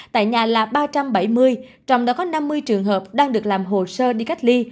tại nhà là ba trăm bảy mươi trong đó có năm mươi trường hợp đang được làm hồ sơ đi cách ly